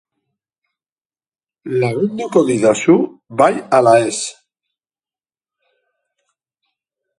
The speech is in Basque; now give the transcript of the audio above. Lagunduko didazu bai ala ez?